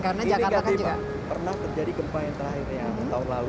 ini negatif pernah terjadi gempa yang terakhirnya tahun lalu